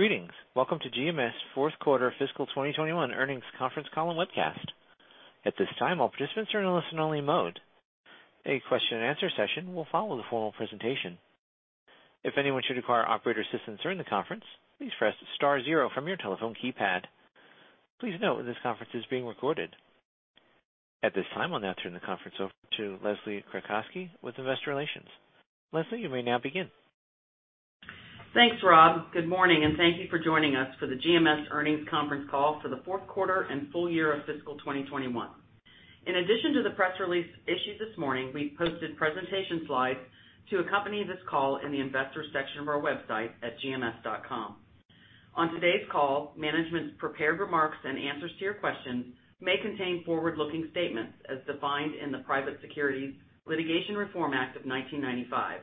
Greetings. Welcome to GMS' fourth quarter fiscal 2021 earnings conference call and webcast. At this time, all participants are in a listen-only mode. A question and answer session will follow the formal presentation. If anyone should require operator assistance during the conference, please press star zero from your telephone keypad. Please note this conference is being recorded. At this time, I'll now turn the conference over to Leslie Kratcoski with Investor Relations. Leslie, you may now begin. Thanks, Rob. Good morning, and thank you for joining us for the GMS earnings conference call for the fourth quarter and full year of fiscal 2021. In addition to the press release issued this morning, we posted presentation slides to accompany this call in the investors section of our website at gms.com. On today's call, management's prepared remarks in answer to your questions may contain forward-looking statements as defined in the Private Securities Litigation Reform Act of 1995.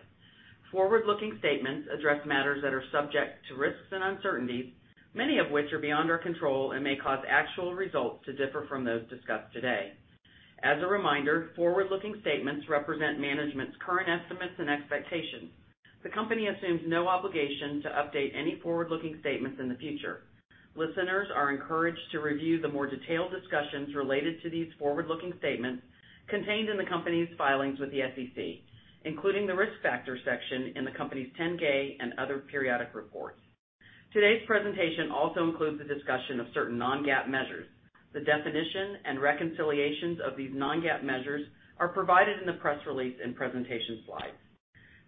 Forward-looking statements address matters that are subject to risks and uncertainties, many of which are beyond our control and may cause actual results to differ from those discussed today. As a reminder, forward-looking statements represent management's current estimates and expectations. The company assumes no obligation to update any forward-looking statements in the future. Listeners are encouraged to review the more detailed discussions related to these forward-looking statements contained in the company's filings with the SEC, including the Risk Factors section in the company's 10-K and other periodic reports. Today's presentation also includes a discussion of certain non-GAAP measures. The definition and reconciliations of these non-GAAP measures are provided in the press release and presentation slides.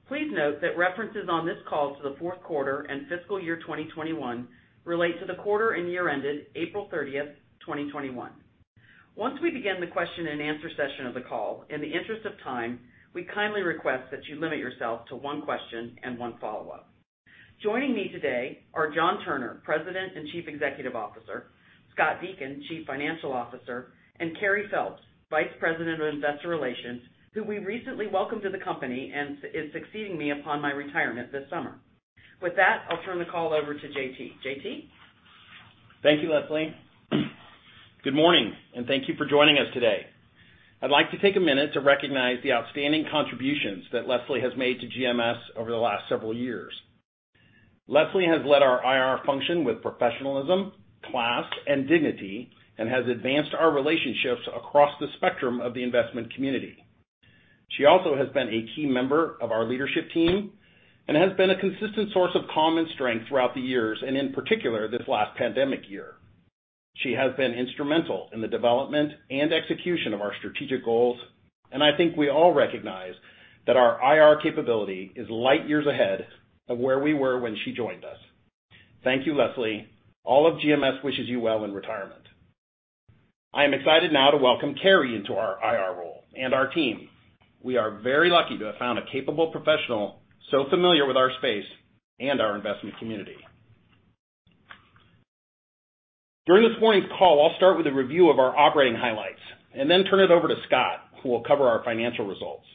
Please note that references on this call to the fourth quarter and fiscal year 2021 relate to the quarter and year ended April 30th, 2021. Once we begin the question and answer session of the call, in the interest of time, we kindly request that you limit yourself to one question and one follow-up. Joining me today are John Turner, President and Chief Executive Officer, Scott Deakin, Chief Financial Officer, and Carey Phelps, Vice President of Investor Relations, who we recently welcomed to the company and is succeeding me upon my retirement this summer. With that, I'll turn the call over to JT. JT? Thank you, Leslie. Good morning, and thank you for joining us today. I'd like to take a minute to recognize the outstanding contributions that Leslie has made to GMS over the last several years. Leslie has led our IR function with professionalism, class, and dignity, and has advanced our relationships across the spectrum of the investment community. She also has been a key member of our leadership team and has been a consistent source of calm and strength throughout the years and in particular this last pandemic year. She has been instrumental in the development and execution of our strategic goals, and I think we all recognize that our IR capability is light years ahead of where we were when she joined us. Thank you, Leslie. All of GMS wishes you well in retirement. I am excited now to welcome Carey into our IR role and our team. We are very lucky to have found a capable professional so familiar with our space and our investment community. During this morning's call, I'll start with a review of our operating highlights and then turn it over to Scott, who will cover our financial results.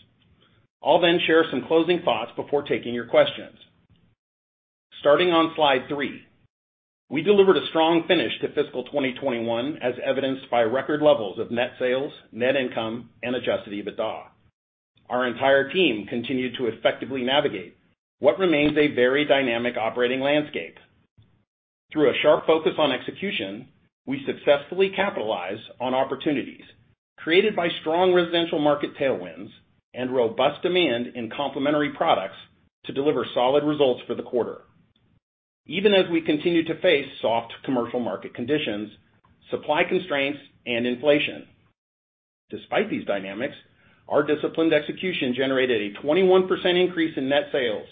I'll share some closing thoughts before taking your questions. Starting on slide three, we delivered a strong finish to fiscal 2021, as evidenced by record levels of net sales, net income, and adjusted EBITDA. Our entire team continued to effectively navigate what remains a very dynamic operating landscape. Through a sharp focus on execution, we successfully capitalized on opportunities created by strong residential market tailwinds and robust demand in complementary products to deliver solid results for the quarter, even as we continue to face soft commercial market conditions, supply constraints, and inflation. Despite these dynamics, our disciplined execution generated a 21% increase in net sales,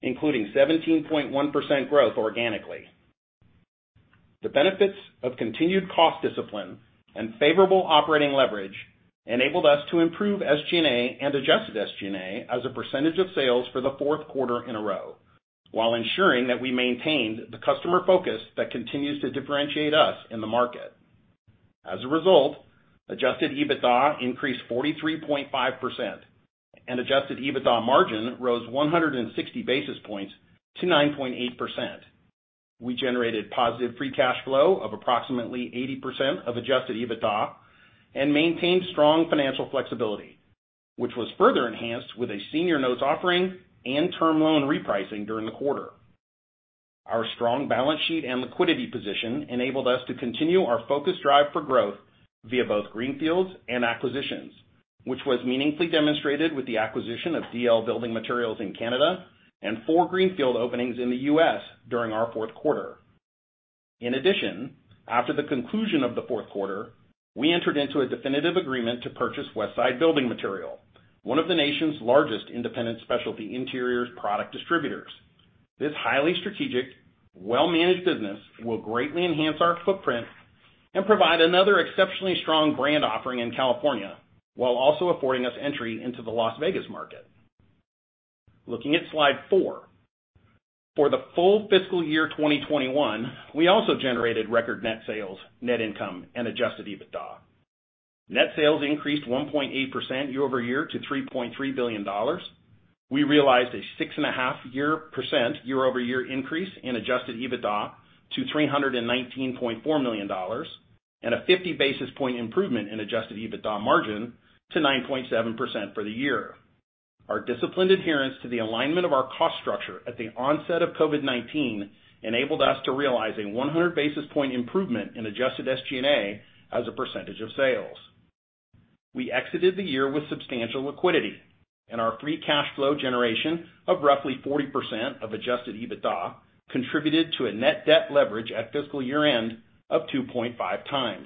including 17.1% growth organically. The benefits of continued cost discipline and favorable operating leverage enabled us to improve SG&A and adjusted SG&A as a percentage of sales for the fourth quarter in a row, while ensuring that we maintained the customer focus that continues to differentiate us in the market. As a result, adjusted EBITDA increased 43.5%, and adjusted EBITDA margin rose 160 basis points to 9.8%. We generated positive free cash flow of approximately 80% of adjusted EBITDA and maintained strong financial flexibility, which was further enhanced with a senior notes offering and term loan repricing during the quarter. Our strong balance sheet and liquidity position enabled us to continue our focused drive for growth via both greenfields and acquisitions, which was meaningfully demonstrated with the acquisition of D.L. Building Materials in Canada and 4 greenfield openings in the U.S. during our fourth quarter. In addition, after the conclusion of the fourth quarter, we entered into a definitive agreement to purchase Westside Building Material, one of the nation's largest independent specialty interiors product distributors. This highly strategic, well-managed business will greatly enhance our footprint and provide another exceptionally strong brand offering in California, while also affording us entry into the Las Vegas market. Looking at slide 4. For the full fiscal year 2021, we also generated record net sales, net income, and adjusted EBITDA. Net sales increased 1.8% year-over-year to $3.3 billion. We realized a 6.5% year-over-year increase in adjusted EBITDA to $319.4 million. A 50 basis point improvement in adjusted EBITDA margin to 9.7% for the year. Our disciplined adherence to the alignment of our cost structure at the onset of COVID-19 enabled us to realize a 100 basis point improvement in adjusted SG&A as a percentage of sales. We exited the year with substantial liquidity, and our free cash flow generation of roughly 40% of adjusted EBITDA contributed to a net debt leverage at fiscal year-end of 2.5x,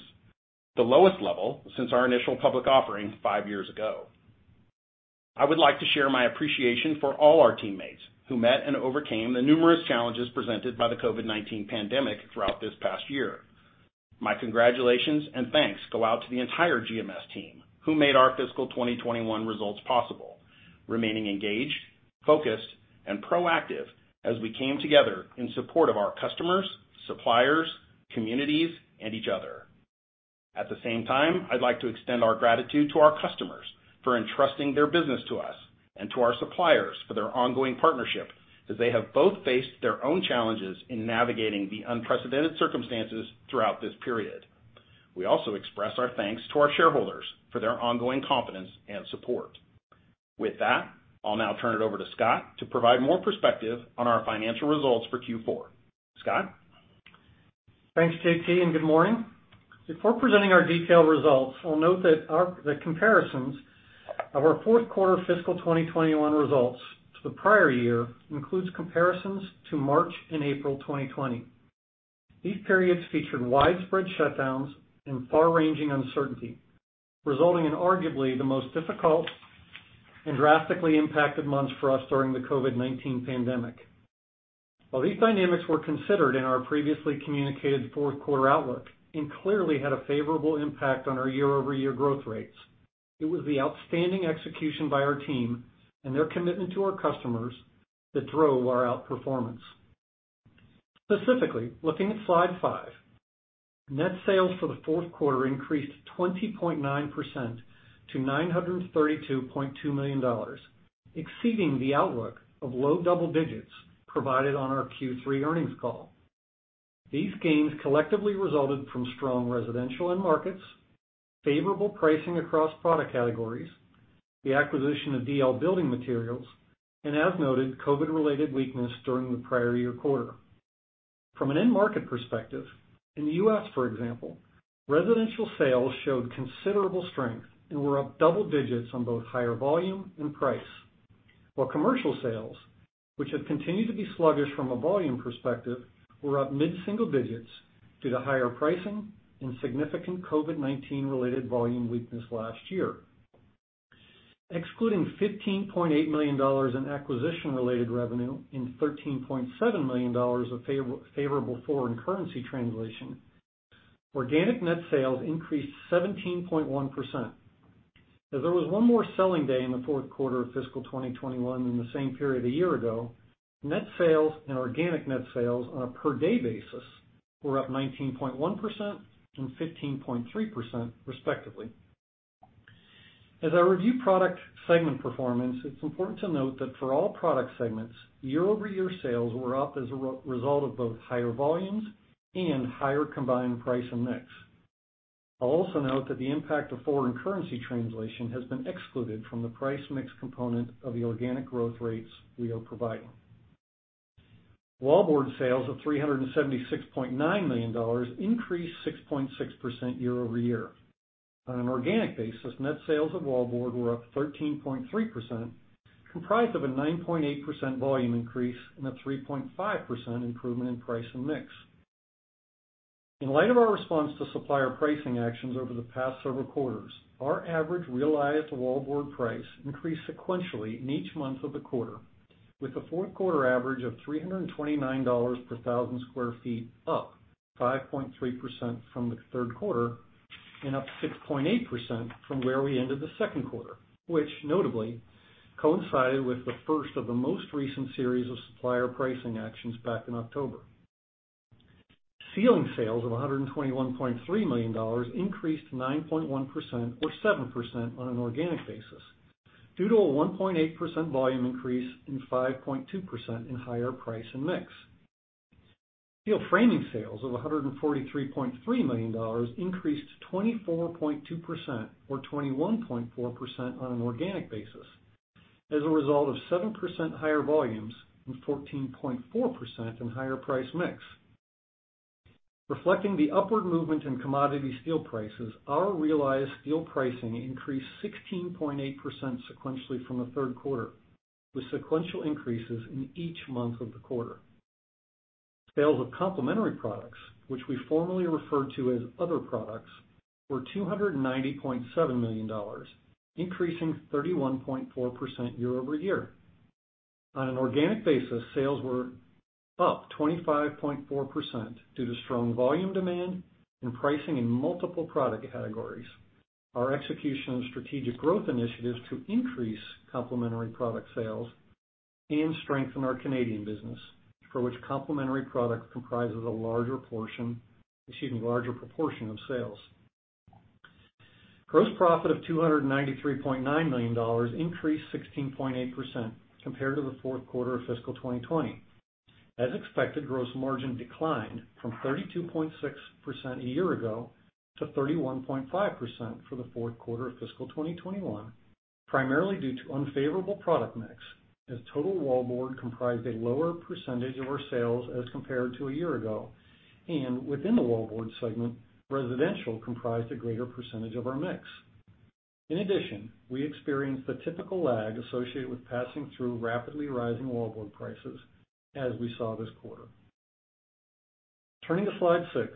the lowest level since our initial public offering five years ago. I would like to share my appreciation for all our teammates who met and overcame the numerous challenges presented by the COVID-19 pandemic throughout this past year. My congratulations and thanks go out to the entire GMS team who made our fiscal 2021 results possible, remaining engaged, focused, and proactive as we came together in support of our customers, suppliers, communities, and each other. At the same time, I'd like to extend our gratitude to our customers for entrusting their business to us and to our suppliers for their ongoing partnership, as they have both faced their own challenges in navigating the unprecedented circumstances throughout this period. We also express our thanks to our shareholders for their ongoing confidence and support. With that, I'll now turn it over to Scott to provide more perspective on our financial results for Q4. Scott? Thanks, JT, and good morning. Before presenting our detailed results, I'll note that the comparisons of our fourth quarter fiscal 2021 results to the prior year includes comparisons to March and April 2020. These periods featured widespread shutdowns and far-ranging uncertainty, resulting in arguably the most difficult and drastically impacted months for us during the COVID-19 pandemic. While these dynamics were considered in our previously communicated fourth quarter outlook and clearly had a favorable impact on our year-over-year growth rates, it was the outstanding execution by our team and their commitment to our customers that drove our outperformance. Specifically, looking at slide five, net sales for the fourth quarter increased 20.9% to $932.2 million, exceeding the outlook of low double digits provided on our Q3 earnings call. These gains collectively resulted from strong residential end markets, favorable pricing across product categories, the acquisition of D.L. Building Materials, and as noted, COVID-related weakness during the prior year quarter. From an end market perspective, in the U.S., for example, residential sales showed considerable strength and were up double digits on both higher volume and price. While commercial sales, which have continued to be sluggish from a volume perspective, were up mid-single digits due to higher pricing and significant COVID-19 related volume weakness last year. Excluding $15.8 million in acquisition-related revenue and $13.7 million of favorable foreign currency translation, organic net sales increased 17.1%. As there was one more selling day in the fourth quarter of fiscal 2021 than the same period a year ago, net sales and organic net sales on a per day basis were up 19.1% and 15.3%, respectively. As I review product segment performance, it's important to note that for all product segments, year-over-year sales were up as a result of both higher volumes and higher combined price and mix. I'll also note that the impact of foreign currency translation has been excluded from the price mix component of the organic growth rates we are providing. Wallboard sales of $376.9 million increased 6.6% year-over-year. On an organic basis, net sales of wallboard were up 13.3%, comprised of a 9.8% volume increase and a 3.5% improvement in price and mix. In light of our response to supplier pricing actions over the past several quarters, our average realized wallboard price increased sequentially in each month of the quarter, with a fourth quarter average of $329 per thousand square feet up 5.3% from the third quarter and up 6.8% from where we ended the second quarter, which notably coincided with the first of the most recent series of supplier pricing actions back in October. Ceiling sales of $121.3 million increased 9.1% or 7% on an organic basis, due to a 1.8% volume increase and 5.2% in higher price and mix. steel framing sales of $143.3 million increased 24.2% or 21.4% on an organic basis, as a result of 7% higher volumes and 14.4% in higher price mix. Reflecting the upward movement in commodity steel prices, our realized steel pricing increased 16.8% sequentially from the third quarter, with sequential increases in each month of the quarter. Sales of complementary products, which we formerly referred to as other products, were $290.7 million, increasing 31.4% year-over-year. On an organic basis, sales were up 25.4% due to strong volume demand and pricing in multiple product categories. Our execution of strategic growth initiatives to increase complementary product sales and strengthen our Canadian business, for which complementary product comprises a larger portion, exceeding a larger proportion of sales. Gross profit of $293.9 million increased 16.8% compared to the fourth quarter of fiscal 2020. As expected, gross margin declined from 32.6% a year ago to 31.5% for the fourth quarter of fiscal 2021, primarily due to unfavorable product mix, as total wallboard comprised a lower percentage of our sales as compared to a year ago. Within the wallboard segment, residential comprised a greater percentage of our mix. In addition, we experienced the typical lag associated with passing through rapidly rising wallboard prices as we saw this quarter. Turning to slide six,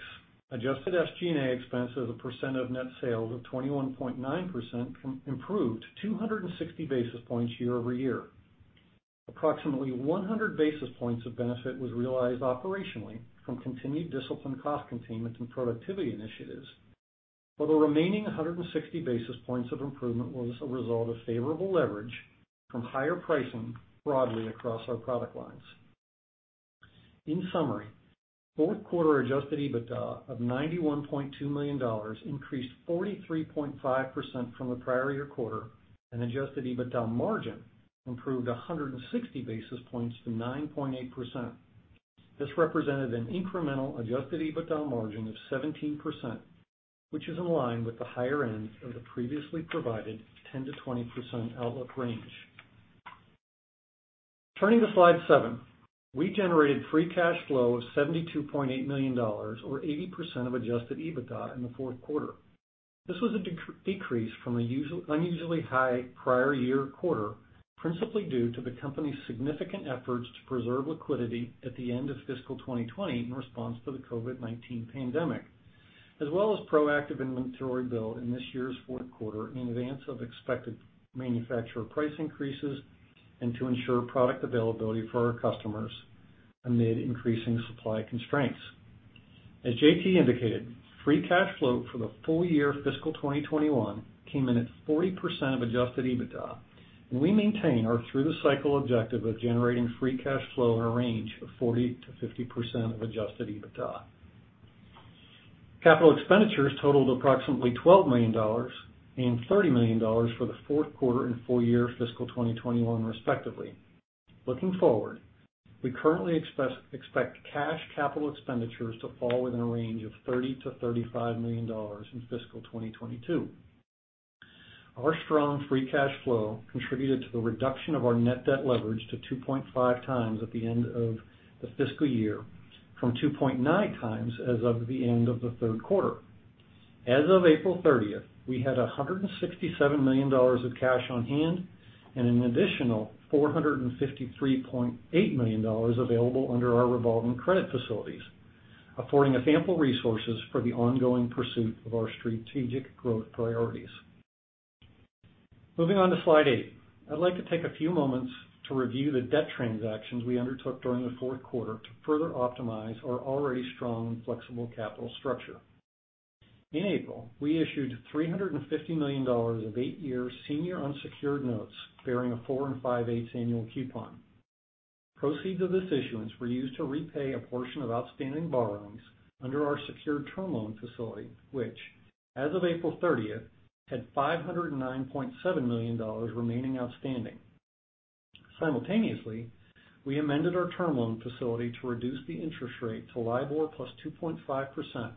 adjusted SG&A expense as a percent of net sales of 21.9% improved 260 basis points year-over-year. Approximately 100 basis points of benefit was realized operationally from continued disciplined cost containment and productivity initiatives, while the remaining 160 basis points of improvement was a result of favorable leverage from higher pricing broadly across our product lines. In summary, fourth quarter adjusted EBITDA of $91.2 million increased 43.5% from the prior year quarter and adjusted EBITDA margin improved 160 basis points to 9.8%. This represented an incremental adjusted EBITDA margin of 17%, which is in line with the higher end of the previously provided 10%-20% outlook range. Turning to slide seven, we generated free cash flow of $72.8 million, or 80% of adjusted EBITDA in the fourth quarter. This was a decrease from an unusually high prior year quarter, principally due to the company's significant efforts to preserve liquidity at the end of fiscal 2020 in response to the COVID-19 pandemic, as well as proactive inventory build in this year's fourth quarter in advance of expected manufacturer price increases and to ensure product availability for our customers amid increasing supply constraints. As JT indicated, free cash flow for the full year fiscal 2021 came in at 40% of adjusted EBITDA, and we maintain our through the cycle objective of generating free cash flow in a range of 40%-50% of adjusted EBITDA. Capital expenditures totaled approximately $12 million and $30 million for the fourth quarter and full year fiscal 2021, respectively. Looking forward, we currently expect cash capital expenditures to fall in the range of $30 million-$35 million in fiscal 2022. Our strong free cash flow contributed to the reduction of our net debt leverage to 2.5x at the end of the fiscal year from 2.9x as of the end of the third quarter. As of April 30th, we had $167 million of cash on hand and an additional $453.8 million available under our revolving credit facilities, affording us ample resources for the ongoing pursuit of our strategic growth priorities. Moving on to slide eight, I'd like to take a few moments to review the debt transactions we undertook during the fourth quarter to further optimize our already strong and flexible capital structure. In April, we issued $350 million of eight-year senior unsecured notes bearing a 4.625% annual coupon. Proceeds of this issuance were used to repay a portion of outstanding borrowings under our secured term loan facility, which as of April 30th, had $509.7 million remaining outstanding. Simultaneously, we amended our term loan facility to reduce the interest rate to LIBOR plus 2.5%,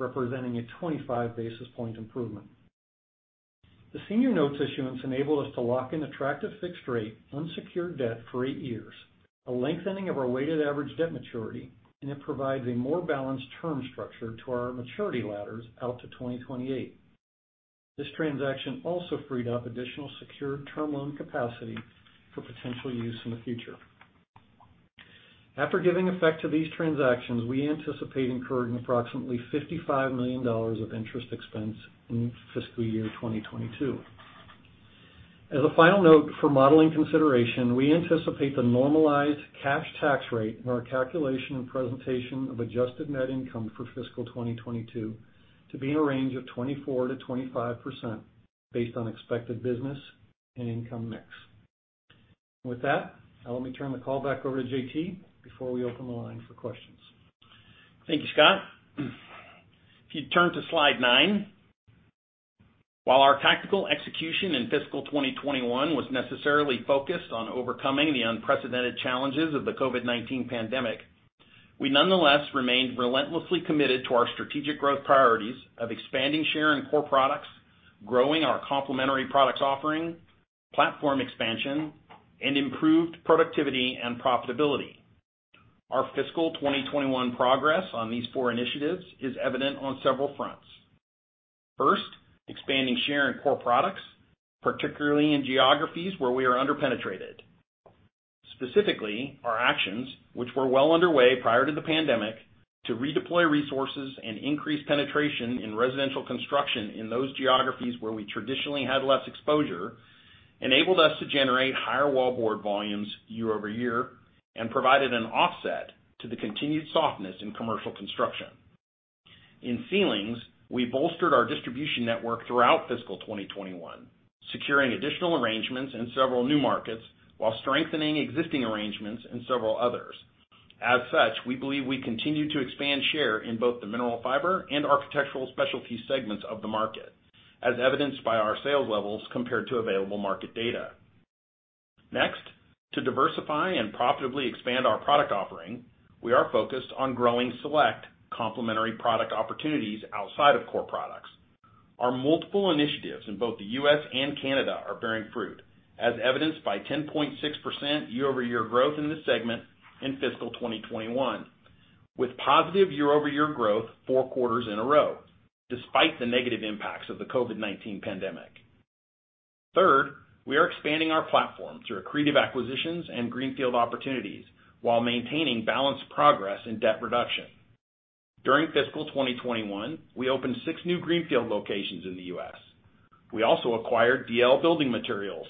representing a 25 basis point improvement. The senior notes issuance enabled us to lock in attractive fixed rate unsecured debt for eight years, a lengthening of our weighted average debt maturity, and it provides a more balanced term structure to our maturity ladders out to 2028. This transaction also freed up additional secured term loan capacity for potential use in the future. After giving effect to these transactions, we anticipate incurring approximately $55 million of interest expense in fiscal year 2022. As a final note, for modeling consideration, we anticipate the normalized cash tax rate in our calculation and presentation of adjusted net income for fiscal 2022 to be in a range of 24%-25% based on expected business and income mix. With that, now let me turn the call back over to JT before we open the line for questions. Thank you, Scott. If you turn to slide nine, while our tactical execution in fiscal 2021 was necessarily focused on overcoming the unprecedented challenges of the COVID-19 pandemic, we nonetheless remained relentlessly committed to our strategic growth priorities of expanding share in core products, growing our complementary products offering, platform expansion, and improved productivity and profitability. Our fiscal 2021 progress on these four initiatives is evident on several fronts. First, expanding share in core products, particularly in geographies where we are under-penetrated. Specifically, our actions, which were well underway prior to the pandemic to redeploy resources and increase penetration in residential construction in those geographies where we traditionally had less exposure, enabled us to generate higher wallboard volumes year-over-year and provided an offset to the continued softness in commercial construction. In ceilings, we bolstered our distribution network throughout fiscal 2021, securing additional arrangements in several new markets while strengthening existing arrangements in several others. As such, we believe we continue to expand share in both the mineral fiber and architectural specialty segments of the market, as evidenced by our sales levels compared to available market data. Next, to diversify and profitably expand our product offering, we are focused on growing select complementary product opportunities outside of core products. Our multiple initiatives in both the U.S. and Canada are bearing fruit, as evidenced by 10.6% year-over-year growth in this segment in fiscal 2021, with positive year-over-year growth four quarters in a row, despite the negative impacts of the COVID-19 pandemic. Third, we are expanding our platform through accretive acquisitions and greenfield opportunities while maintaining balanced progress in debt reduction. During fiscal 2021, we opened six new greenfield locations in the U.S. We also acquired D.L. Building Materials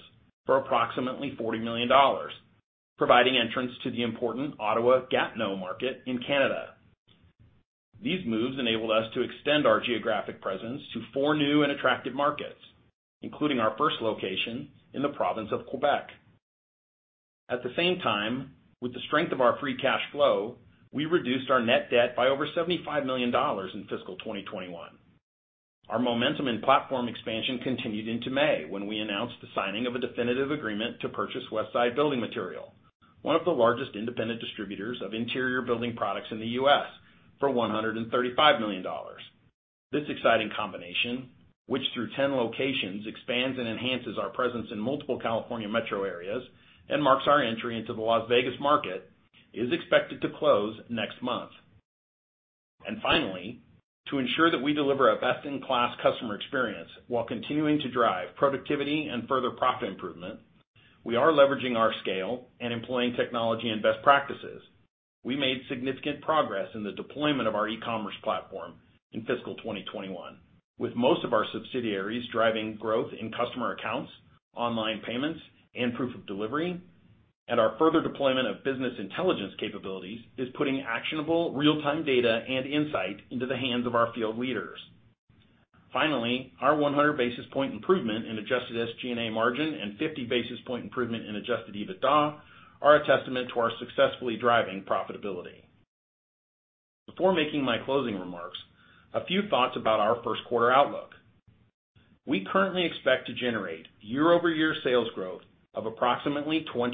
for approximately $40 million, providing entrance to the important Ottawa-Gatineau market in Canada. These moves enabled us to extend our geographic presence to four new and attractive markets, including our first location in the province of Quebec. At the same time, with the strength of our free cash flow, we reduced our net debt by over $75 million in fiscal 2021. Our momentum and platform expansion continued into May, when we announced the signing of a definitive agreement to purchase Westside Building Material, one of the largest independent distributors of interior building products in the U.S., for $135 million. This exciting combination, which through 10 locations expands and enhances our presence in multiple California metro areas and marks our entry into the Las Vegas market, is expected to close next month. Finally, to ensure that we deliver a best-in-class customer experience while continuing to drive productivity and further profit improvement, we are leveraging our scale and employing technology and best practices. We made significant progress in the deployment of our e-commerce platform in fiscal 2021, with most of our subsidiaries driving growth in customer accounts, online payments, and proof of delivery. Our further deployment of business intelligence capabilities is putting actionable real-time data and insight into the hands of our field leaders. Finally, our 100 basis points improvement in adjusted SG&A margin and 50 basis points improvement in adjusted EBITDA are a testament to our successfully driving profitability. Before making my closing remarks, a few thoughts about our first quarter outlook. We currently expect to generate year-over-year sales growth of approximately 20%,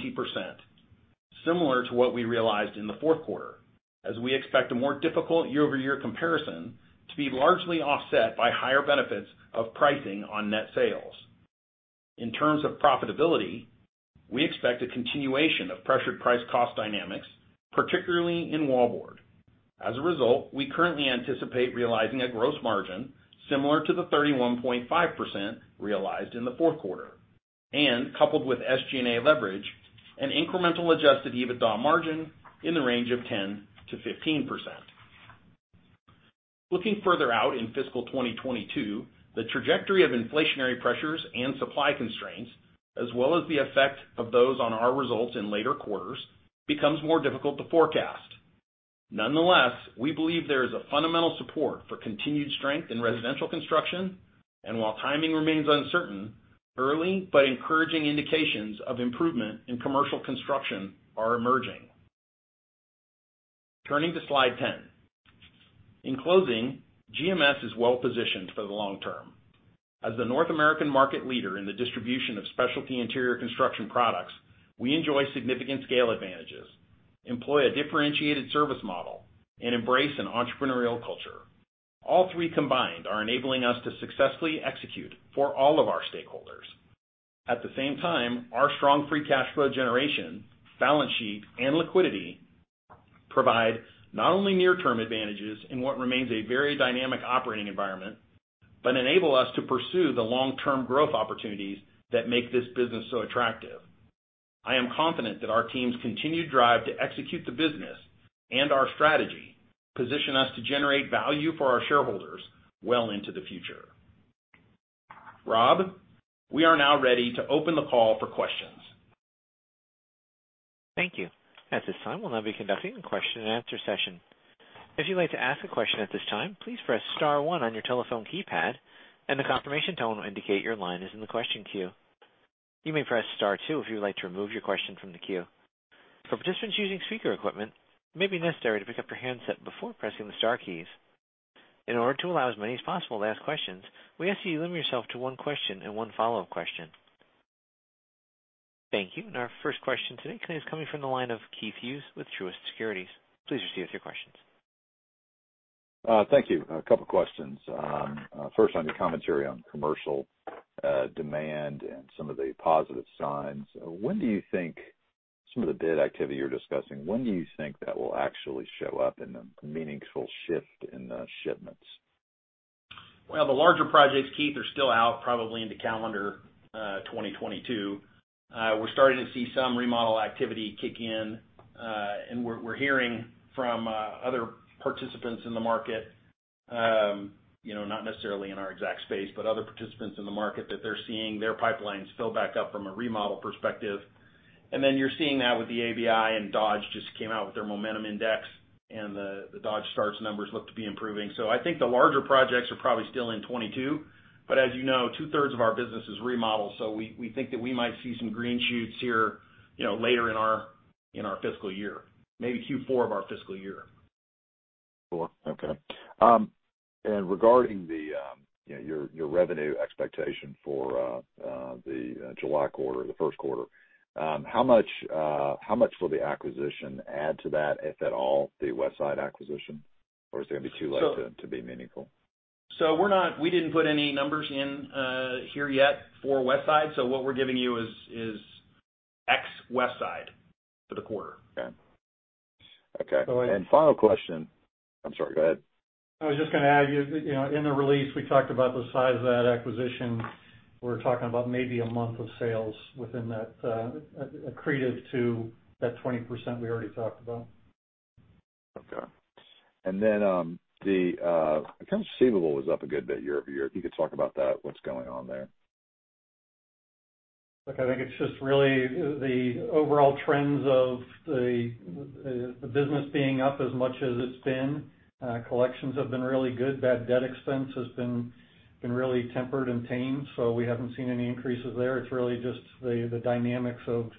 similar to what we realized in the fourth quarter, as we expect a more difficult year-over-year comparison to be largely offset by higher benefits of pricing on net sales. In terms of profitability, we expect a continuation of pressured price-cost dynamics, particularly in wallboard. As a result, we currently anticipate realizing a gross margin similar to the 31.5% realized in the fourth quarter, and coupled with SG&A leverage, an incremental adjusted EBITDA margin in the range of 10%-15%. Looking further out in fiscal 2022, the trajectory of inflationary pressures and supply constraints, as well as the effect of those on our results in later quarters, becomes more difficult to forecast. Nonetheless, we believe there is a fundamental support for continued strength in residential construction, and while timing remains uncertain, early but encouraging indications of improvement in commercial construction are emerging. Turning to slide 10. In closing, GMS is well-positioned for the long term. As the North American market leader in the distribution of specialty interior construction products, we enjoy significant scale advantages, employ a differentiated service model, and embrace an entrepreneurial culture. All three combined are enabling us to successfully execute for all of our stakeholders. At the same time, our strong free cash flow generation, balance sheet, and liquidity provide not only near-term advantages in what remains a very dynamic operating environment, but enable us to pursue the long-term growth opportunities that make this business so attractive. I am confident that our team's continued drive to execute the business and our strategy position us to generate value for our shareholders well into the future. Rob, we are now ready to open the call for questions. Thank you. At this time, we'll now be conducting a question and answer session. If you'd like to ask a question at this time, please press star one on your telephone keypad, and a confirmation tone will indicate your line is in the question queue. You may press star two if you'd like to remove your question from the queue. For participants using speaker equipment, it may be necessary to pick up your handset before pressing the star keys. In order to allow as many as possible to ask questions, we ask that you limit yourself to one question and one follow-up question. Thank you. Our first question today comes from the line of Keith Hughes with Truist Securities. Please proceed with your questions. Thank you. A couple questions. First on the commentary on commercial demand and some of the positive signs. Some of the bid activity you're discussing, when do you think that will actually show up in a meaningful shift in the shipments? Well, the larger projects, Keith, are still out probably into calendar 2022. We're starting to see some remodel activity kick in, and we're hearing from other participants in the market, not necessarily in our exact space, but other participants in the market that they're seeing their pipelines fill back up from a remodel perspective. You're seeing that with the ABI, and Dodge just came out with their Momentum Index. The Dodge starts numbers look to be improving. I think the larger projects are probably still in 2022. As you know, two-thirds of our business is remodels, so we think that we might see some green shoots here later in our fiscal year, maybe Q4 of our fiscal year. Cool. Okay. Regarding your revenue expectation for the July quarter, the first quarter, how much will the acquisition add to that, if at all, the Westside acquisition? It's going to be too less to be meaningful? We didn't put any numbers in here yet for Westside, so what we're giving you is ex-Westside for the quarter. Okay. Final question. I'm sorry, go ahead. I was just going to add, in the release, we talked about the size of that acquisition. We're talking about maybe a month of sales within that accreted to that 20% we already talked about. Okay. The accounts receivable was up a good bit year-over-year. If you could talk about that, what's going on there? Look, I think it's just really the overall trends of the business being up as much as it's been. Collections have been really good. Bad debt expense has been really tempered and tamed, so we haven't seen any increases there. It's really just the dynamics of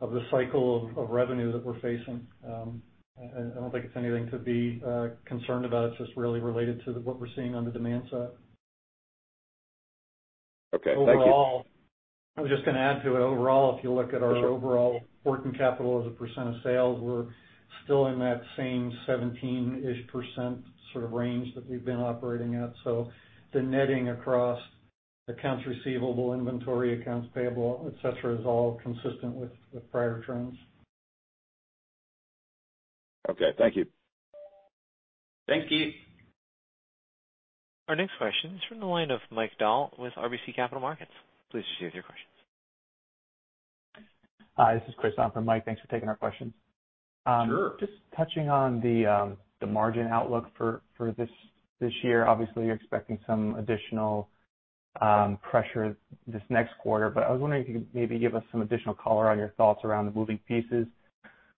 the cycle of revenue that we're facing. I don't think it's anything to be concerned about. It's just really related to what we're seeing on the demand side. Okay. Thank you. Overall, I'm just going to add to it. Overall, if you look at our overall working capital as a percent of sales, we're still in that same 17-ish% sort of range that we've been operating at. The netting across accounts receivable, inventory, accounts payable, et cetera, is all consistent with prior trends. Okay. Thank you. Thank you. Our next question is from the line of Mike Dahl with RBC Capital Markets. Please proceed with your question. Hi, this is Chris on for Mike. Thanks for taking our questions. Sure. Just touching on the margin outlook for this year. Obviously, you're expecting some additional pressure this next quarter. I was wondering if you could maybe give us some additional color on your thoughts around the moving pieces,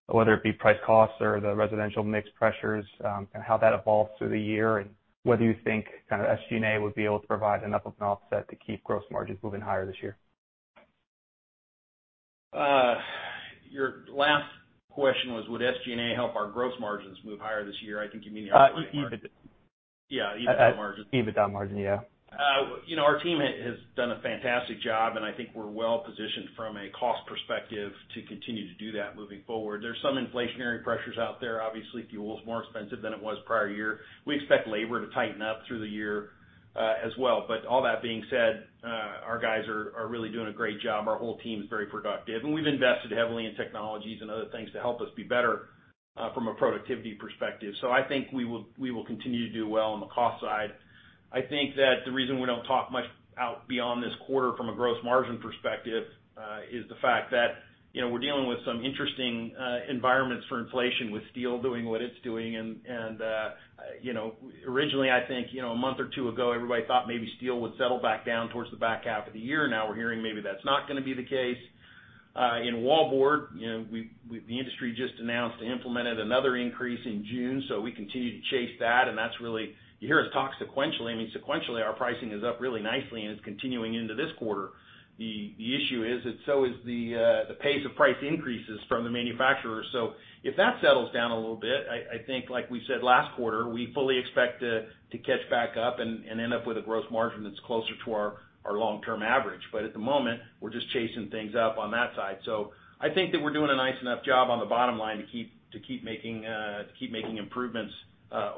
whether it be price cost or the residential mix pressures, and how that evolves through the year, and whether you think SG&A will be able to provide enough of an offset to keep gross margins moving higher this year? Your last question was, would SG&A help our gross margins move higher this year? I can give you that color. EBITDA. Yeah. EBITDA margin. EBITDA margin. Yeah. Our team has done a fantastic job. I think we're well-positioned from a cost perspective to continue to do that moving forward. There's some inflationary pressures out there. Obviously, fuel is more expensive than it was prior year. We expect labor to tighten up through the year as well. All that being said, our guys are really doing a great job. Our whole team is very productive. We've invested heavily in technologies and other things to help us be better from a productivity perspective. I think we will continue to do well on the cost side. I think that the reason we don't talk much out beyond this quarter from a gross margin perspective is the fact that we're dealing with some interesting environments for inflation with steel doing what it's doing. Originally, I think a month or two ago, everybody thought maybe steel would settle back down towards the back half of the year. Now we're hearing maybe that's not going to be the case. In wallboard, the industry just announced they implemented another increase in June, so we continue to chase that, and that's really, you hear us talk sequentially. I mean, sequentially, our pricing is up really nicely, and it's continuing into this quarter. The issue is that so is the pace of price increases from the manufacturer. If that settles down a little bit, I think like we said last quarter, we fully expect to catch back up and end up with a gross margin that's closer to our long-term average. At the moment, we're just chasing things up on that side. I think that we're doing a nice enough job on the bottom line to keep making improvements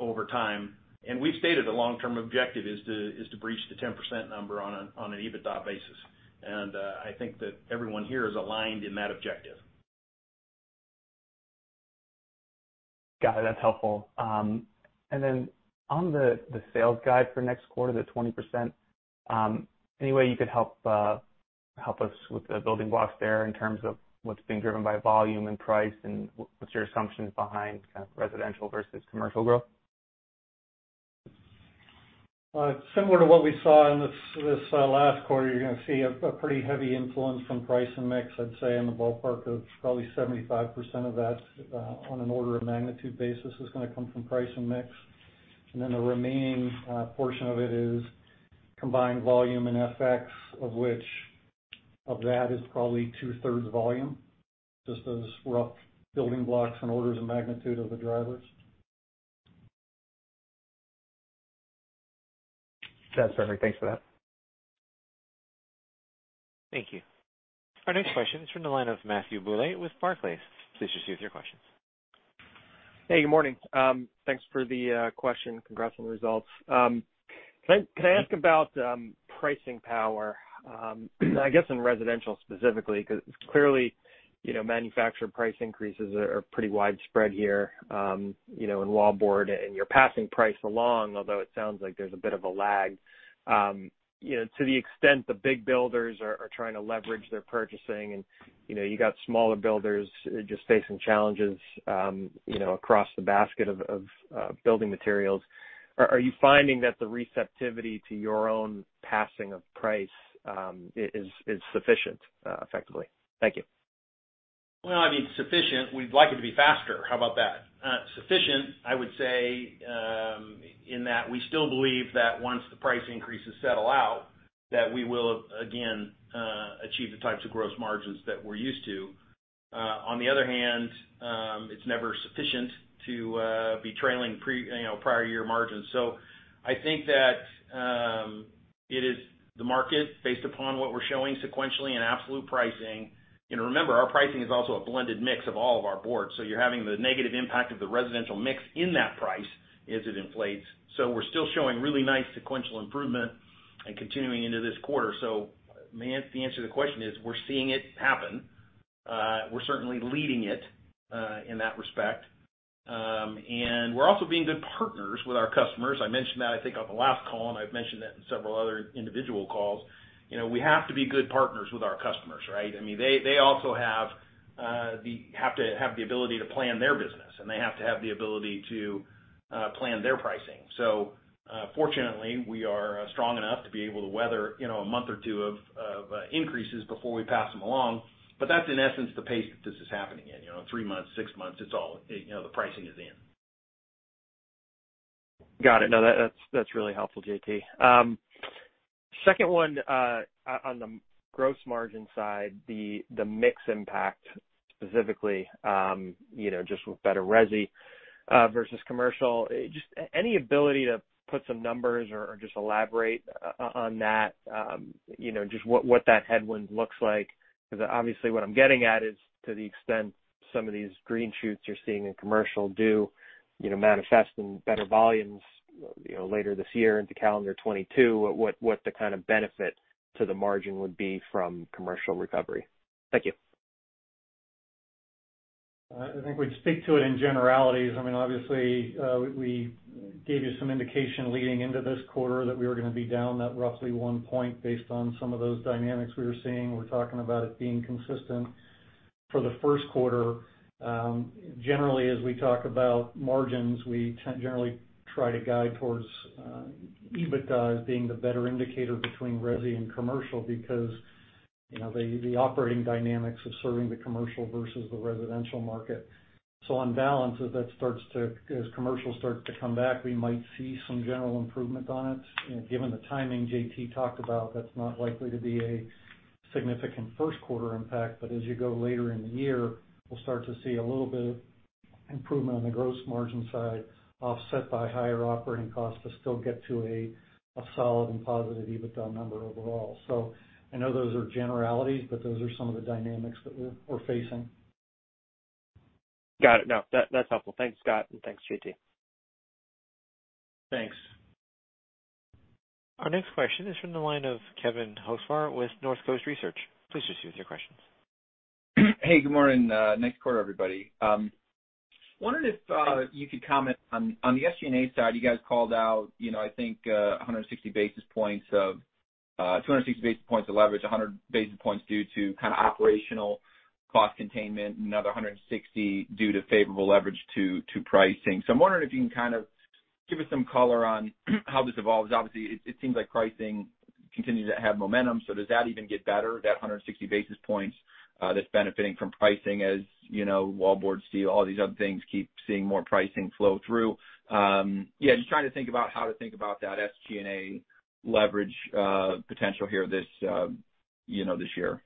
over time. We've stated the long-term objective is to breach the 10% number on an EBITDA basis. I think that everyone here is aligned in that objective. Got it. That's helpful. On the sales guide for next quarter, the 20%, any way you could help us with the building blocks there in terms of what's being driven by volume and price, and what's your assumptions behind kind of residential versus commercial growth? Similar to what we saw in this last quarter, you're going to see a pretty heavy influence from price and mix. I'd say in the ballpark of probably 75% of that on an order of magnitude basis is going to come from price and mix. The remaining portion of it is combined volume and FX, of which of that is probably two-thirds volume. Just as rough building blocks and orders of magnitude of the drivers. That's perfect. Thanks for that. Thank you. Our next question is from the line of Matthew Bouley with Barclays. Please proceed with your question. Hey, good morning. Thanks for the question. Congrats on the results. Can I ask about pricing power? I guess in residential specifically, because clearly manufacturer price increases are pretty widespread here in wallboard, and you're passing price along, although it sounds like there's a bit of a lag. To the extent the big builders are trying to leverage their purchasing and you got smaller builders just facing challenges across the basket of building materials. Are you finding that the receptivity to your own passing of price is sufficient effectively? Thank you. Well, I mean, sufficient. We'd like it to be faster. How about that? Sufficient, I would say, in that we still believe that once the price increases settle out, that we will again achieve the types of gross margins that we're used to. On the other hand, it's never sufficient to be trailing prior year margins. I think that it is the market based upon what we're showing sequentially in absolute pricing. Remember, our pricing is also a blended mix of all of our boards. You're having the negative impact of the residential mix in that price as it inflates. We're still showing really nice sequential improvement and continuing into this quarter. The answer to the question is we're seeing it happen. We're certainly leading it in that respect. We're also being good partners with our customers. I mentioned that, I think, on the last call, and I've mentioned that in several other individual calls. We have to be good partners with our customers, right? They also have to have the ability to plan their business, and they have to have the ability to plan their pricing. Fortunately, we are strong enough to be able to weather a month or two of increases before we pass them along. That's in essence the pace that this is happening in. Three months, six months, the pricing is in. Got it. No, that's really helpful, JT. Second one on the gross margin side, the mix impact specifically just with better resi versus commercial. Just any ability to put some numbers or just elaborate on that, just what that headwind looks like. Because obviously what I'm getting at is to the extent some of these green shoots you're seeing in commercial do manifest in better volumes later this year into calendar 2022, what the kind of benefit to the margin would be from commercial recovery. Thank you. I think we'd speak to it in generalities. Obviously, we gave you some indication leading into this quarter that we were going to be down that roughly one point based on some of those dynamics we were seeing. We're talking about it being consistent for the first quarter. Generally, as we talk about margins, we generally try to guide towards EBITDA as being the better indicator between resi and commercial because the operating dynamics of serving the commercial versus the residential market. On balance, as commercial starts to come back, we might see some general improvement on it. Given the timing JT talked about, that's not likely to be a significant first quarter impact. As you go later in the year, we'll start to see a little bit of improvement on the gross margin side, offset by higher operating costs to still get to a solid and positive EBITDA number overall. I know those are generalities, but those are some of the dynamics that we're facing. Got it. No, that's helpful. Thanks, Scott, and thanks, JT. Thanks. Our next question is from the line of Kevin Hocevar with Northcoast Research. Please just use your questions. Hey, good morning. Nice quarter, everybody. Wondered if you could comment on the SG&A side. You guys called out I think 160 basis points of leverage, 100 basis points due to kind of operational cost containment, another 160 due to favorable leverage to pricing. I'm wondering if you can kind of give us some color on how this evolves. Obviously, it seems like pricing continues to have momentum, so does that even get better, that 160 basis points that's benefiting from pricing as wallboard see all these other things keep seeing more pricing flow through? Yeah, just trying to think about how to think about that SG&A leverage potential here this year.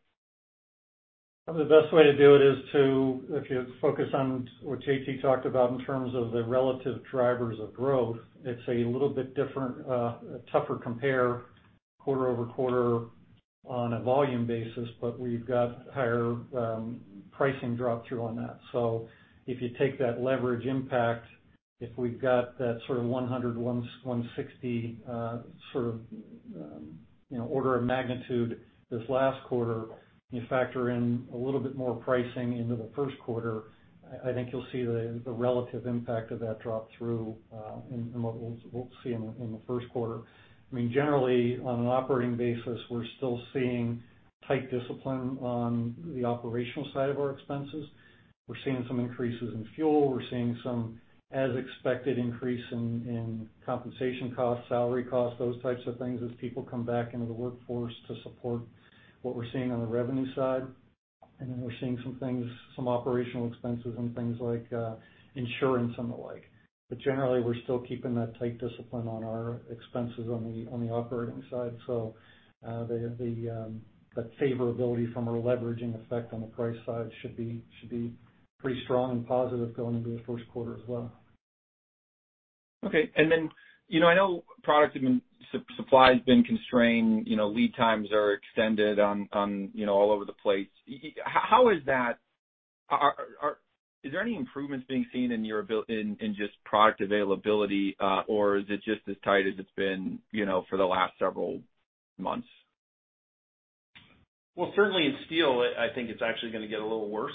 The best way to do it is to, if you focus on what JT talked about in terms of the relative drivers of growth, it's a little bit different, a tougher compare quarter-over-quarter on a volume basis, we've got higher pricing drop-through on that. If you take that leverage impact, if we've got that sort of 100, 160 sort of order of magnitude this last quarter, you factor in a little bit more pricing into the first quarter, I think you'll see the relative impact of that drop-through in what we'll see in the first quarter. Generally, on an operating basis, we're still seeing tight discipline on the operational side of our expenses. We're seeing some increases in fuel. We're seeing some as expected increase in compensation costs, salary costs, those types of things as people come back into the workforce to support what we're seeing on the revenue side. We're seeing some things, some operational expenses and things like insurance and the like. Generally, we're still keeping that tight discipline on our expenses on the operating side. That favorability from our leveraging effect on the price side should be pretty strong and positive going into the first quarter as well. Okay. I know product supply has been constrained. Lead times are extended all over the place. Are there any improvements being seen in just product availability? Or is it just as tight as it's been for the last several months? Well, certainly in steel, I think it's actually going to get a little worse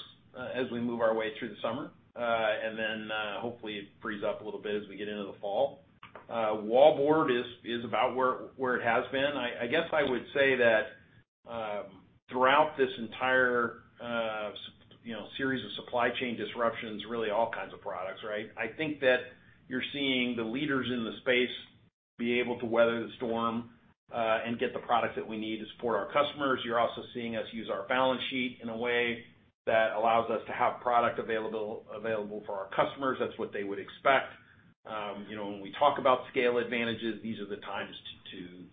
as we move our way through the summer. Hopefully it frees up a little bit as we get into the fall. Wallboard is about where it has been. I guess I would say that throughout this entire series of supply chain disruptions, really all kinds of products, right? I think that you're seeing the leaders in the space be able to weather the storm and get the product that we need is for our customers. You're also seeing us use our balance sheet in a way that allows us to have product available for our customers. That's what they would expect. When we talk about scale advantages, these are the times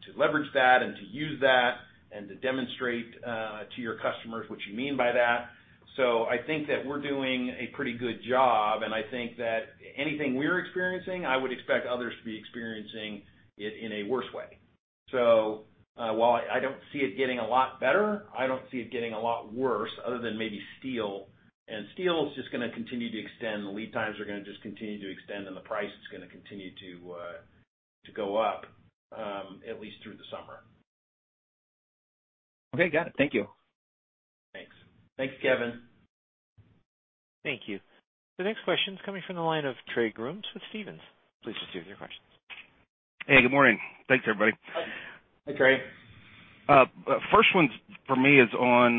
to leverage that and to use that, and to demonstrate to your customers what you mean by that. I think that we're doing a pretty good job, and I think that anything we're experiencing, I would expect others to be experiencing it in a worse way. While I don't see it getting a lot better, I don't see it getting a lot worse other than maybe steel, and steel is just going to continue to extend. The lead times are going to just continue to extend, and the price is going to continue to go up at least through the summer. Okay, got it. Thank you. Thanks. Thanks, Kevin. Thank you. The next question is coming from the line of Trey Grooms with Stephens. Please proceed with your question. Hey, good morning. Thanks, everybody. Hi. Hey, Trey. First one for me is on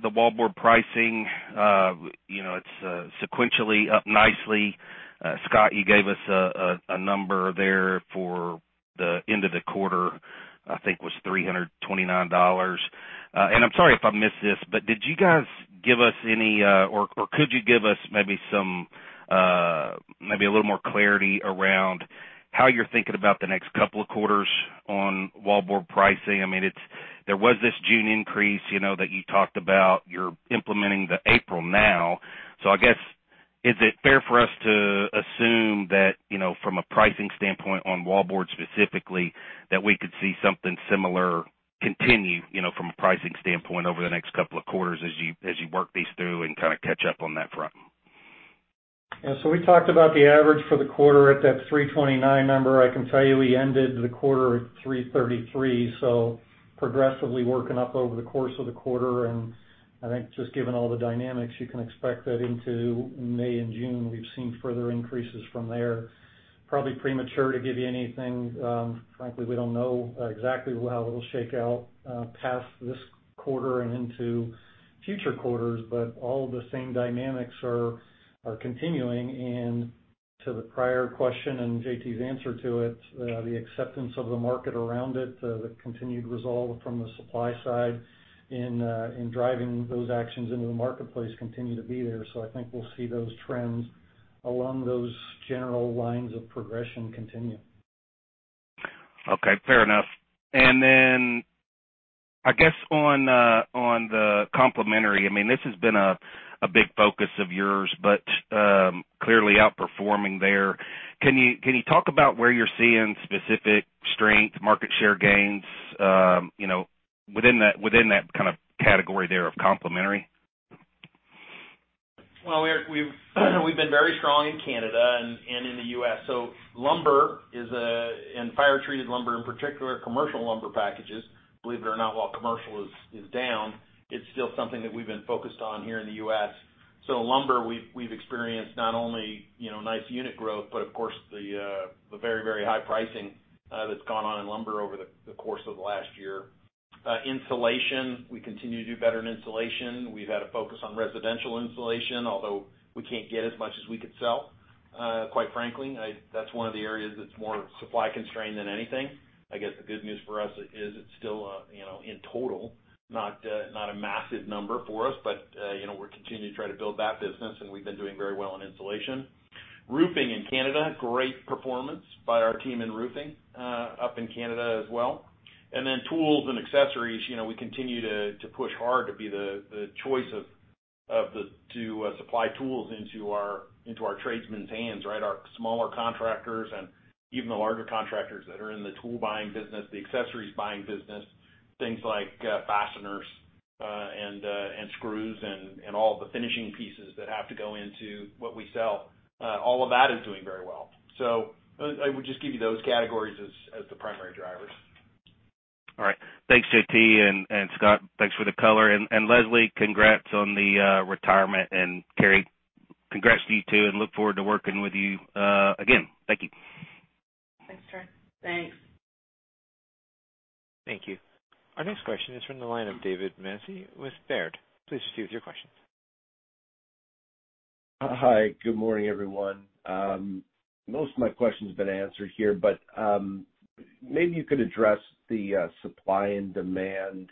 the wallboard pricing. It's sequentially up nicely. Scott, you gave us a number there for the end of the quarter. I think was $329. I'm sorry if I missed this, but did you guys give us any or could you give us maybe a little more clarity around how you're thinking about the next couple of quarters on wallboard pricing? There was this June increase that you talked about. You're implementing the April now. I guess, is it fair for us to assume that from a pricing standpoint on wallboard specifically, that we could see something similar continue from a pricing standpoint over the next couple of quarters as you work these through and kind of catch up on that front? Yeah. We talked about the average for the quarter at that $329 number. I can tell you we ended the quarter at $333, progressively working up over the course of the quarter. I think just given all the dynamics, you can expect that into May and June, we've seen further increases from there. Probably premature to give you anything. Frankly, we don't know exactly how it'll shake out past this quarter and into future quarters, all the same dynamics are continuing. To the prior question and JT's answer to it, the acceptance of the market around it, the continued resolve from the supply side in driving those actions into the marketplace continue to be there. I think we'll see those trends along those general lines of progression continue. Okay, fair enough. I guess on the complementary, this has been a big focus of yours, but clearly outperforming there. Can you talk about where you're seeing specific strength, market share gains within that kind of category there of complementary? Well, we've been very strong in Canada and in the U.S. Lumber, and fire-treated lumber in particular, commercial lumber packages, believe it or not, while commercial is down, it's still something that we've been focused on here in the U.S. Lumber, we've experienced not only nice unit growth, but of course, the very, very high pricing that's gone on in lumber over the course of the last year. Insulation, we continue to do better in insulation. We've had a focus on residential insulation, although we can't get as much as we could sell. Quite frankly, that's one of the areas that's more supply constrained than anything. I guess the good news for us is it's still in total, not a massive number for us, but we're continuing to try to build that business, and we've been doing very well in insulation. Roofing in Canada, great performance by our team in roofing up in Canada as well. Tools and accessories, we continue to push hard to be the choice to supply tools into our tradesmen's hands. Our smaller contractors and even the larger contractors that are in the tool buying business, the accessories buying business, things like fasteners and screws and all the finishing pieces that have to go into what we sell. All of that is doing very well. I would just give you those categories as the primary drivers. All right. Thanks, JT, and Scott, thanks for the color. Leslie, congrats on the retirement. Carey, congrats to you, too, and look forward to working with you again. Thank you. Thanks, Trey. Thanks. Thank you. Our next question is from the line of David Manthey with Baird. Please proceed with your question. Hi. Good morning, everyone. Most of my question's been answered here, but maybe you could address the supply and demand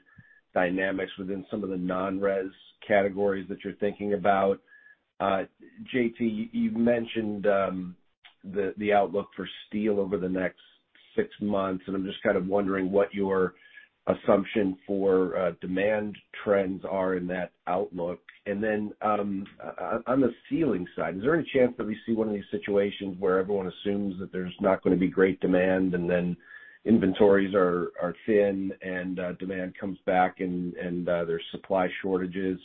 dynamics within some of the non-res categories that you're thinking about. JT, you mentioned the outlook for steel over the next six months, and I'm just kind of wondering what your assumption for demand trends are in that outlook. Then on the ceiling side, is there a chance that we see one of these situations where everyone assumes that there's not going to be great demand and then inventories are thin and demand comes back and there's supply shortages?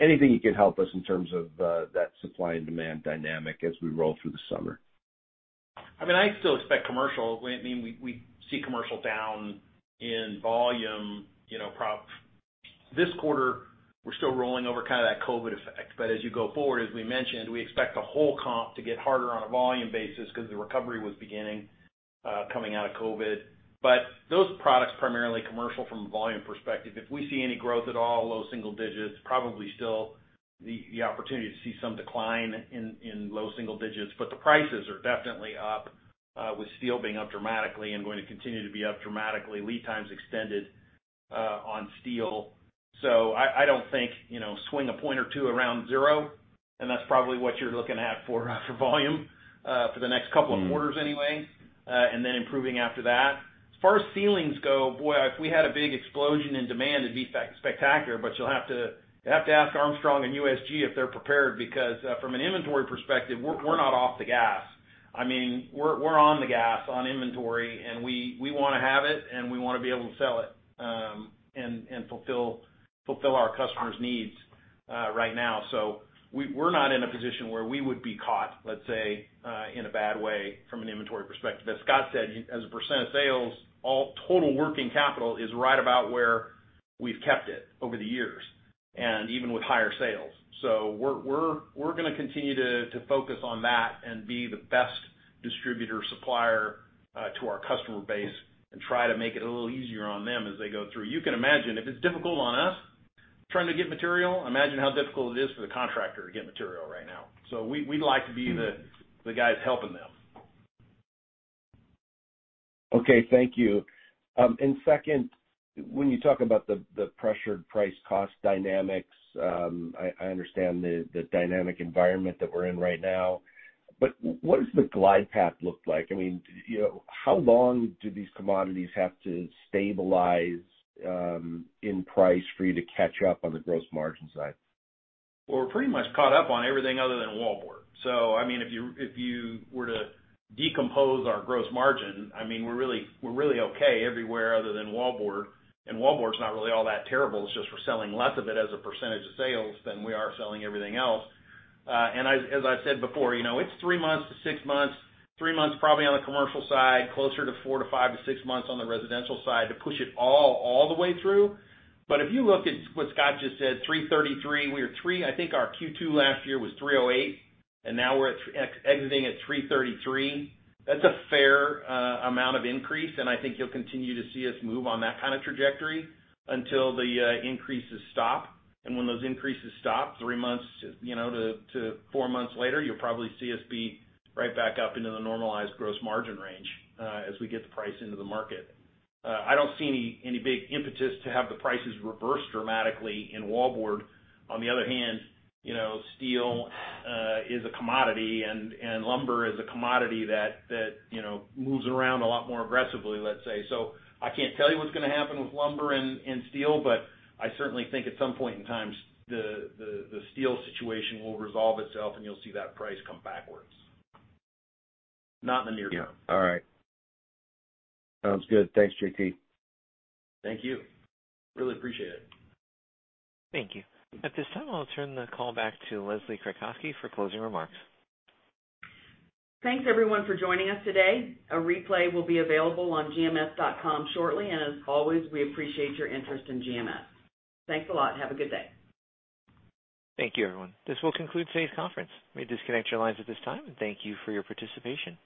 Anything you could help us in terms of that supply and demand dynamic as we roll through the summer. I still expect commercial. We see commercial down in volume. This quarter, we're still rolling over kind of that COVID effect. As you go forward, as we mentioned, we expect the whole comp to get harder on a volume basis because the recovery was beginning coming out of COVID. Those products, primarily commercial from a volume perspective, if we see any growth at all, low single digits, probably still the opportunity to see some decline in low single digits, but the prices are definitely up with steel being up dramatically and going to continue to be up dramatically, lead times extended on steel. I don't think, swing a point or two around zero, and that's probably what you're looking at for volume for the next couple of quarters anyway, and then improving after that. As far as ceilings go, boy, if we had a big explosion in demand, it'd be spectacular. You'll have to ask Armstrong and USG if they're prepared, because from an inventory perspective, we're not off the gas. We're on the gas on inventory, and we want to have it, and we want to be able to sell it, and fulfill our customers' needs right now. We're not in a position where we would be caught, let's say, in a bad way from an inventory perspective. As Scott said, as a percent of sales, all total working capital is right about where we've kept it over the years and even with higher sales. We're going to continue to focus on that and be the best distributor supplier to our customer base and try to make it a little easier on them as they go through. You can imagine if it's difficult on us trying to get material, imagine how difficult it is for the contractor to get material right now. We'd like to be the guys helping them. Okay. Thank you. Second, when you talk about the pressured price cost dynamics, I understand the dynamic environment that we're in right now, but what does the glide path look like? How long do these commodities have to stabilize in price for you to catch up on the gross margin side? We're pretty much caught up on everything other than wallboard. If you were to decompose our gross margin, we're really okay everywhere other than wallboard. Wallboard's not really all that terrible. It's just we're selling less of it as a percentage of sales than we are selling everything else. As I said before, it's three months to six months, three months probably on the commercial side, closer to four to five to six months on the residential side to push it all the way through. If you look at what Scott just said, $333, I think our Q2 last year was $308, and now we're exiting at $333. That's a fair amount of increase, and I think you'll continue to see us move on that kind of trajectory until the increases stop. When those increases stop, three months to four months later, you'll probably see us be right back up into the normalized gross margin range, as we get the price into the market. I don't see any big impetus to have the prices reverse dramatically in wallboard. Steel is a commodity and lumber is a commodity that moves around a lot more aggressively, let's say. I can't tell you what's going to happen with lumber and steel, but I certainly think at some point in time, the steel situation will resolve itself, and you'll see that price come backwards. Not in the near term. Yeah. All right. Sounds good. Thanks, JT. Thank you. Really appreciate it. Thank you. At this time, I'll turn the call back to Leslie Kratcoski for closing remarks. Thanks everyone for joining us today. A replay will be available on gms.com shortly. As always, we appreciate your interest in GMS. Thanks a lot. Have a good day. Thank you, everyone. This will conclude today's conference. You may disconnect your lines at this time, and thank you for your participation.